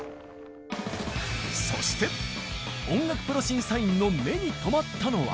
そして音楽プロ審査員の目に留まったのは。